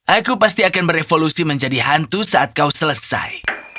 aku pasti akan berevolusi menjadi hantu saat kau selesai